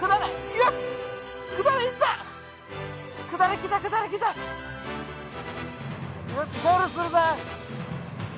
よしゴールするぞ。